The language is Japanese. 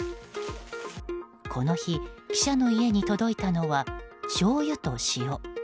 この日、記者の家に届いたのはしょうゆと塩。